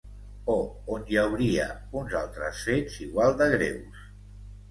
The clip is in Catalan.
O on hi hauria uns altres fets igual de greus.